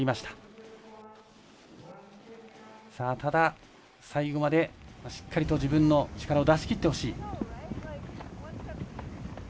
ただ、最後までしっかりと自分の力を出しきってほしい。